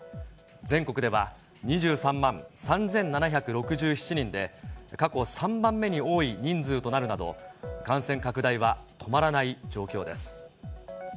全国では２３万３７６７人で、過去３番目に多い人数となるなど、感染拡大は止まらない状況です。